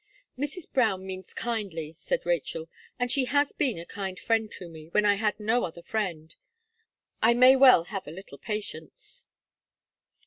"Mrs. Brown means kindly," said Rachel, "and she has been a kind friend to me, when I had no other friend. I may well hare a little patience."